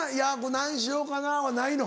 「何しようかな」はないの？